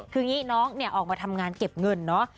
คืออย่างนี้น้องเนี่ยออกมาทำงานเก็บเงินเนาะ